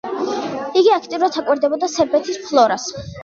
იგი აქტიურად აკვირდებოდა სერბეთის ფლორას.